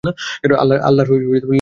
আল্লাহর লীলা বুঝা দায়।